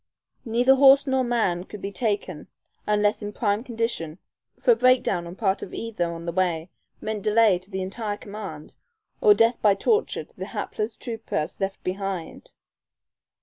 Neither horse nor man could be taken unless in prime condition, for a break down on part of either on the way meant delay to the entire command, or death by torture to the hapless trooper left behind.